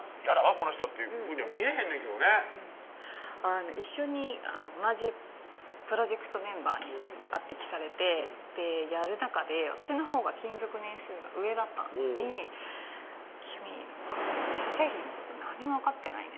この人っていうふうには見えへんねんけどね一緒に同じプロジェクトメンバーに抜擢されてやる中で私のほうが勤続年数が上だったのに「君自社製品のこと何にも分かってないね」